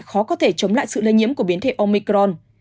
khó có thể chống lại sự lây nhiễm của biến thể omicron